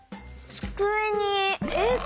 つくえにえが。